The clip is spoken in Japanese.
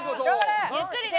ゆっくりね。